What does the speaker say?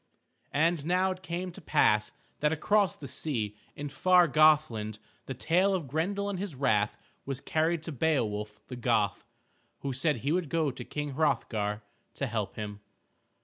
And now it came to pass that across the sea in far Gothland the tale of Grendel and his wrath was carried to Beowulf the Goth, who said he would go to King Hrothgar to help him.